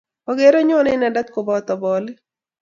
Ogeero, nyone inendet koboto bolik.